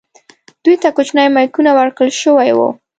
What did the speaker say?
دوی ته کوچني مایکونه ورکړل شوي وو.